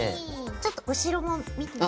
ちょっと後ろも見ていい？